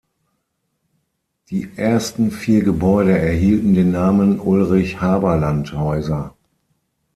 Die ersten vier Gebäude erhielten den Namen „Ulrich-Haberland-Häuser“.